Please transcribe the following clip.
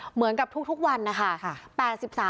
เหมือนกับทุกวันนะคะ